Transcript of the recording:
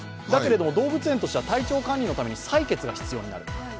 だけれども、動物園としては体調管理のために採血が必要になる。